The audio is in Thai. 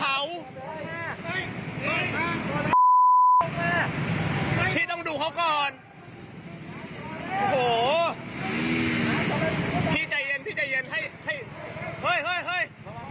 โอ้โหที่หลอบคุณต้าเฮ้ยเฮ้ยพยายามข้าวเนี่ยเฮ้ยเฮ้ย